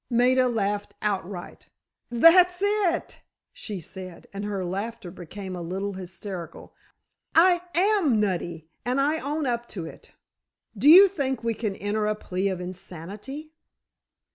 Maida laughed outright. "That's it," she said, and her laughter became a little hysterical. "I am nutty, and I own up to it. Do you think we can enter a plea of insanity?"